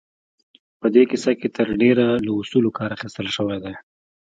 په دې کيسه کې تر ډېره له اصولو کار اخيستل شوی دی.